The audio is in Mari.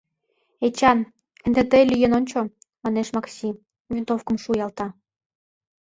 — Эчан, ынде тый лӱен ончо, — манеш Макси, винтовкым шуялта.